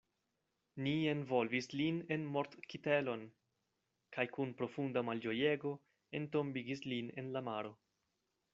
Ni envolvis lin en mortkitelon, kaj kun profunda malĝojego, entombigis lin en la maro.